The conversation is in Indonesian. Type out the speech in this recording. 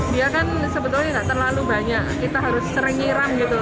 dia kan sebetulnya nggak terlalu banyak kita harus sering nyiram gitu